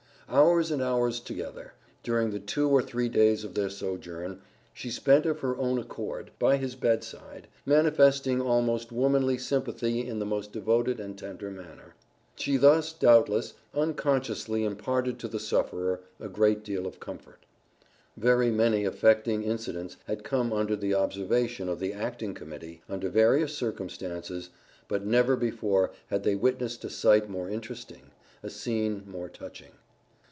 Hours and hours together, during the two or three days of their sojourn, she spent of her own accord, by his bed side, manifesting almost womanly sympathy in the most devoted and tender manner. She thus, doubtless, unconsciously imparted to the sufferer a great deal of comfort. Very many affecting incidents had come under the observation of the acting Committee, under various circumstances, but never before had they witnessed a sight more interesting, a scene more touching.